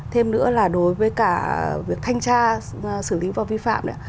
thêm nữa là đối với cả việc thanh tra xử lý và vi phạm